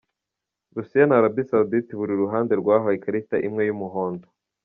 Russia na Arabia Saudite buri ruhande rwahawe ikarita imwe y’umuhondo.